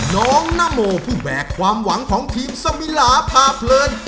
น้องนโมที่แบกความหวังของทีมสมิลาพาเพลิน